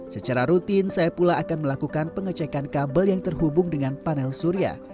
secara rutin saya pula akan melakukan pengecekan kabel yang terhubung dengan panel surya